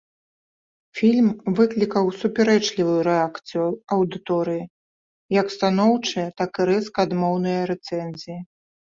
Фільм выклікаў супярэчлівую рэакцыю аўдыторыі, як станоўчыя, так і рэзка адмоўныя рэцэнзіі.